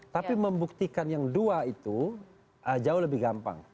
tapi membuktikan yang dua itu jauh lebih gampang